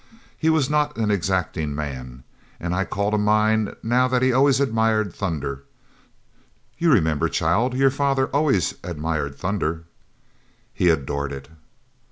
He was not an exacting man. And I call to mind now that he always admired thunder. You remember, child, your father always admired thunder?" "He adored it."